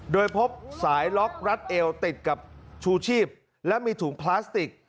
โดยพบสายล็อกรัดเอวติดกับชูชีพและมีถุงพลาสติก